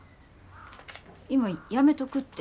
今やめとくって。